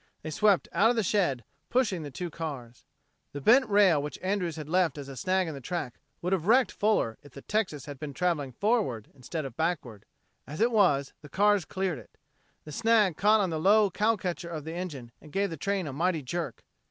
They swept out of the shed, pushing the two cars. The bent rail which Andrews had left as a snag in the track would have wrecked Fuller if the Texas had been traveling forward instead of backward. As it was, the cars cleared it. The snag caught on the low cow catcher of the engine and gave the train a mighty jerk.